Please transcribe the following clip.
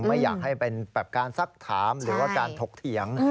ไม่อยากให้เป็นการซักถามหรือว่าการถกเถียง